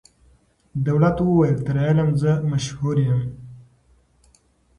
دولت وویل تر علم زه مشهور یم